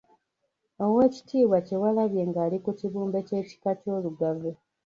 Oweekitiibwa Kyewalabye nga ali ku kibumbe ky’ekika ky’Olugave.